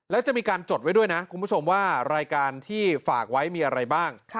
แล้วจะมีการจดไว้ด้วยนะคุณผู้ชมว่ารายการที่ฝากไว้มีอะไรบ้าง